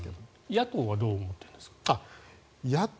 野党はどう思っているんですか？